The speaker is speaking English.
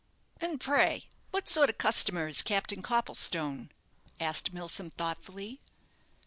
"And pray what sort of a customer is Captain Copplestone?" asked Milsom, thoughtfully.